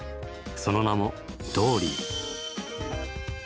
その名もドーリー！